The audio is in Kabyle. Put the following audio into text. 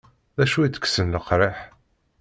D acu itekksen leqriḥ?